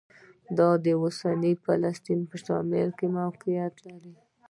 دا د اوسني فلسطین په شمال کې موقعیت لري.